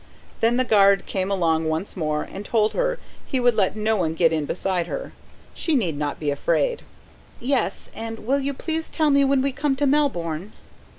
Then the guard came along once more, and told her he would let no one get in beside her: she need not be afraid. "Yes. And will you please tell me when we come to Melbourne."